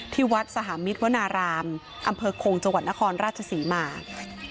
ที่วัดสหมิตรวนารามอำเภอคงจังหวัดนครราชศรีมา